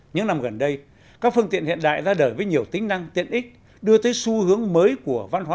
những năm gần đây các phương tiện hiện đại ra đời với nhiều tính năng tiện ích đưa tới xu hướng mới của văn hóa